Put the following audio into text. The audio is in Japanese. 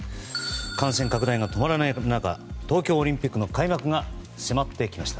感染拡大が止まらない中東京オリンピックの開幕が迫ってきました。